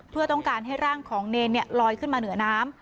เพื่อต้องการให้ร่างของเนรลอยขึ้นมาเหนือน้ำ